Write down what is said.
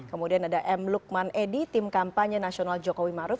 kemudian ada m lukman edi tim kampanye nasional jokowi maruf